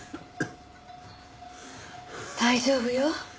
大丈夫よ。